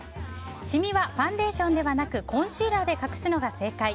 シミはファンデーションではなくコンシーラーで隠すのが正解。